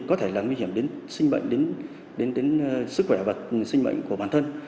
có thể là nguy hiểm đến sức khỏe và sinh mệnh của bản thân